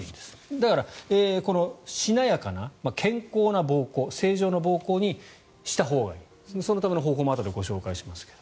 だから、しなやかな健康な膀胱正常な膀胱にしたほうがいいそのための方法もあとでご紹介しますが。